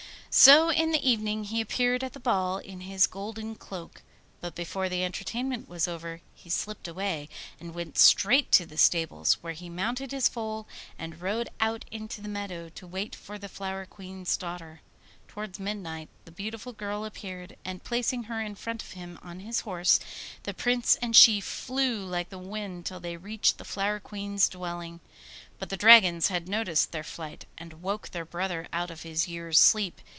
So in the evening he appeared at the ball in his golden cloak; but before the entertainment was over he slipped away, and went straight to the stables, where he mounted his foal and rode out into the meadow to wait for the Flower Queen's daughter. Towards midnight the beautiful girl appeared, and placing her in front of him on his horse, the Prince and she flew like the wind till they reached the Flower Queen's dwelling. But the dragons had noticed their flight, and woke their brother out of his year's sleep.